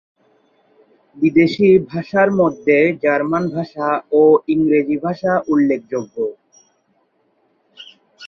বিদেশী ভাষার মধ্যে জার্মান ভাষা ও ইংরেজি ভাষা উল্লেখযোগ্য।